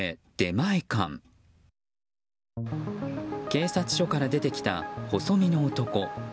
警察署から出てきた細身の男。